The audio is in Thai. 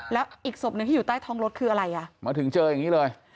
แล้วอีกศพหนึ่งที่อยู่ใต้ท้องรถคืออะไรอ่ะมาถึงเจออย่างนี้เลย